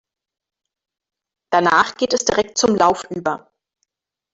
Danach geht es direkt zum Lauf über.